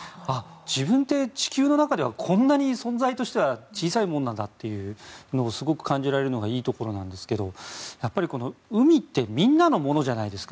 自分って地球の中ではこんなに存在としては小さいものなんだっていうのをすごく感じられるのがいいところなんですがやっぱりこの海ってみんなのものじゃないですか。